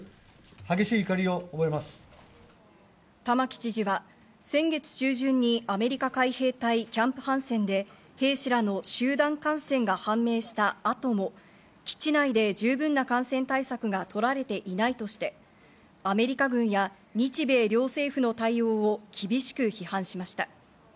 玉城知事は先月中旬にアメリカ海兵隊キャンプ・ハンセンで兵士らの集団感染が判明した後も、基地内で十分な感染対策が取られていないとして、アメリカ軍や日米両政府の対応を厳しく批判しました。